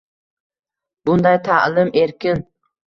Bunday ta’lim erkin